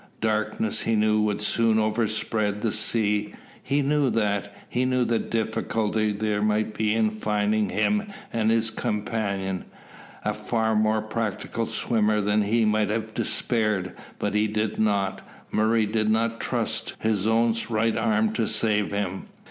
Darkness he knew would soon overspread the sea. He knew that. He knew the difficulty there might be in finding him and his companion. A far more practical swimmer than he might have despaired, but he did not. Murray did not trust to his own right arm to save him.